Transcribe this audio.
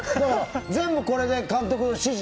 全部これね、監督の指示。